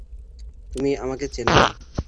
তুমি আমাকে চেনো না।